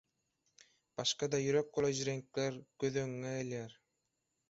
Başga-da ýürek bulaýjy reňkler göz öňüňe gelýär.